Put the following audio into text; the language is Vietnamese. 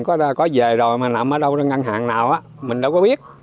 mình có về rồi mà nằm ở đâu ngân hàng nào mình đâu có biết